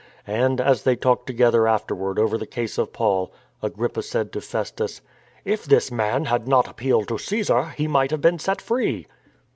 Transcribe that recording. And, as they talked together after ward over the case of Paul, Agrippa said to Festus :" If this man had not appealed to Caesar, he might have been set free."